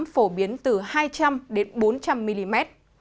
phổ biến từ hai trăm linh đến bốn trăm linh mm